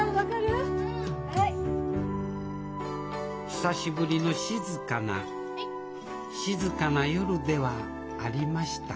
久しぶりの静かな静かな夜ではありました